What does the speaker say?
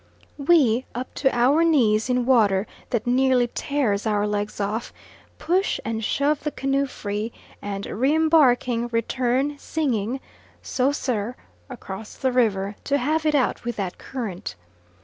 We, up to our knees in water that nearly tears our legs off, push and shove the canoe free, and re embarking return singing "So Sir" across the river, to have it out with that current.